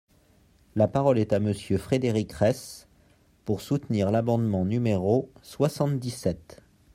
La parole est à Monsieur Frédéric Reiss, pour soutenir l’amendement numéro soixante-dix-sept.